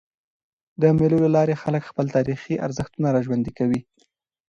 د مېلو له لاري خلک خپل تاریخي ارزښتونه راژوندي کوي.